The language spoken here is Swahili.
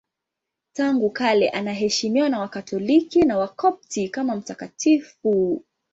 Tangu kale anaheshimiwa na Wakatoliki na Wakopti kama mtakatifu.